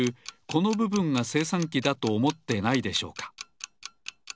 このぶぶんがせいさんきだとおもってないでしょうか？